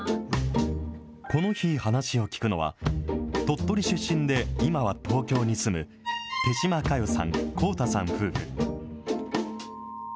この日、話を聞くのは、鳥取出身で今は東京に住む、手島佳代さん、幸太さん夫婦。